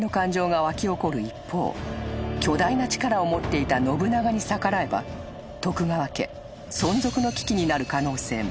一方巨大な力を持っていた信長に逆らえば徳川家存続の危機になる可能性も］